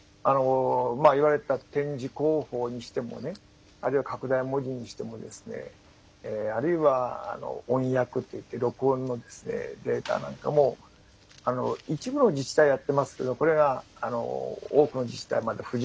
言われた点字公報にしてもあるいは拡大文字にしてもあるいは音訳といって録音のデータなんかも一部の自治体はやってますけどこれが多くの自治体はまだ不十分であると。